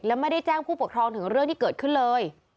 และไม่ได้แจ้งผู้ปกครองถึงเรื่องที่เกิดขึ้นเลย